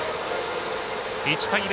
１対０。